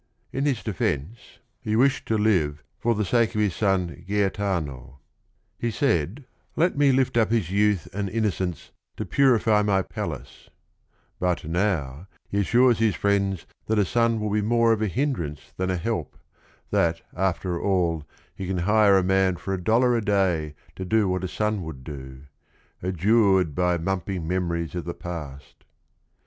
In his defence he wished to live for the sake of his son Gaetano. He said, "Let me 13" — 194 THE RING AND THE BOOK lift up his youth and innocence to purify my palace"; but now he assures his friends that a son will be more of a hindrance than a help, that after all he can hire a man for a dollar a day to do what a son would do, "adjured by mump ing memories of the past."